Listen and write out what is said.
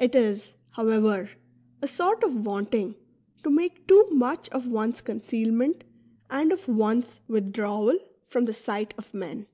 It is, however, a sort of vaunt ing to make too much of one's concealment and of one's withdrawal from the sight of men.